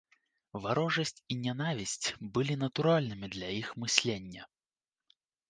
Варожасць і нянавісць былі натуральнымі для іх мыслення.